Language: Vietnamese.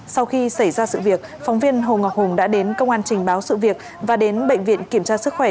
sau khi xảy ra sự việc phóng viên hồ ngọc hùng đã đến công an trình báo sự việc và đến bệnh viện kiểm tra sức khỏe